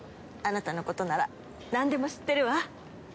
あなたのことならなんでも知ってるわ。